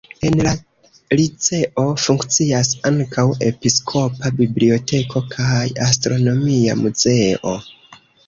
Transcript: En la liceo funkcias ankaŭ episkopa biblioteko kaj astronomia muzeo.